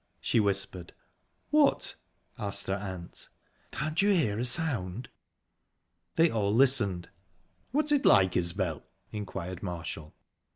she whispered. "What?" asked her aunt. "Can't you hear a sound?" They all listened. "What's it like, Isbel?" inquired Marshall.